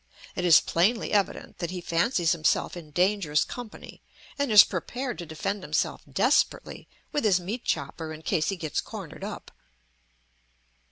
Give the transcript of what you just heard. It is plainly evident that he fancies himself in dangerous company, and is prepared to defend himself desperately with his meat chopper in case he gets cornered up.